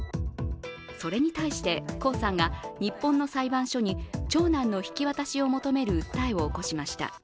それに対して、江さんが日本の裁判所に長男の引き渡しを求める訴えを起こしました。